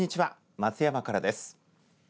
松山からです。